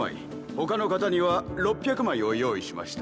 他の方には６００枚を用意しました。